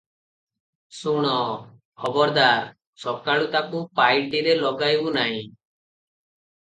ଶୁଣ, ଖବରଦାର! ସକାଳୁ ତାକୁ ପାଇଟିରେ ଲଗାଇବୁ ନାହିଁ ।